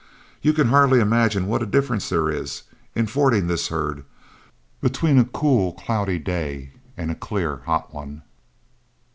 You can hardly imagine what a difference there is, in fording this herd, between a cool, cloudy day and a clear, hot one.